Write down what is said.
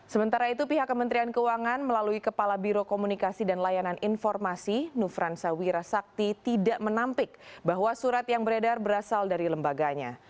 sementara itu pihak kementerian keuangan melalui kepala biro komunikasi dan layanan informasi nufransa wirasakti tidak menampik bahwa surat yang beredar berasal dari lembaganya